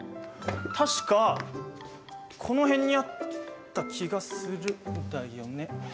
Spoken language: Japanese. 確かこの辺にあった気がするんだよね。